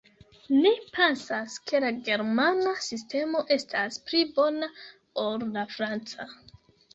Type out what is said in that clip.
Ni pensas ke la germana sistemo estas pli bona ol la franca.